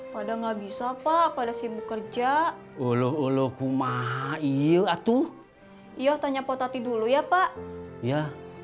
pada nggak bisa pak pada sibuk kerja ulu ulu kumaha iya tuh iya tanya potati dulu ya pak ya